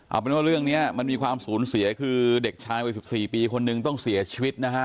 เอาเป็นว่าเรื่องนี้มันมีความสูญเสียคือเด็กชายวัย๑๔ปีคนนึงต้องเสียชีวิตนะฮะ